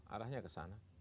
arahnya ke sana